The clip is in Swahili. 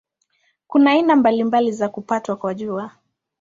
Kuna aina mbalimbali za kupatwa kwa Jua.